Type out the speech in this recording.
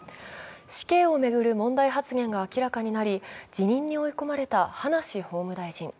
死刑を巡る問題発言が明らかになり辞任に追い込まれた葉梨法務大臣。